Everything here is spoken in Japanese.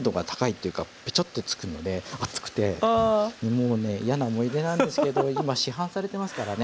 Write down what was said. もうね嫌な思い出なんですけど今市販されてますからね。